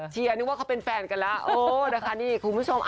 นึกว่าเขาเป็นแฟนกันแล้วโอ้นะคะนี่คุณผู้ชม